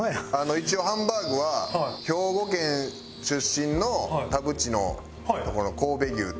一応ハンバーグは兵庫県出身の田渕のとこの神戸牛と。